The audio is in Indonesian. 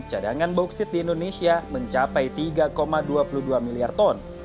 cadangan bauksit di indonesia mencapai tiga dua puluh dua miliar ton